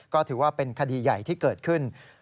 ก็ถือว่าเป็นคดีใหญ่ที่เกิดขึ้น